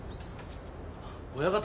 親方。